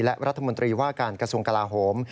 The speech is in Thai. และรัฐมนตรีว่าการกระทรวงกลาโหม